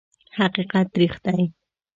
حقیقت تریخ دی .